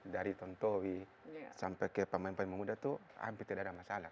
dari tontowi sampai ke pemain pemain muda itu hampir tidak ada masalah